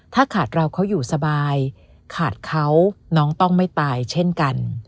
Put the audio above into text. ถ้าขาดเราเขาอยู่สบายขาดเขาน้องต้องไม่ตายเช่นกัน